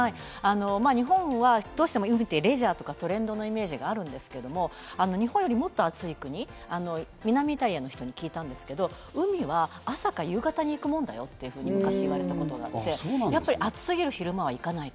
日本はどうしても海ってレジャーとかトレンドのイメージがあるんですけど、日本よりもっと暑い国、南イタリアの人に聞いたんですけど、海は、朝か夕方に行くもんだよというふうに昔、言われたことがあって、やっぱり暑すぎる昼間は行かない。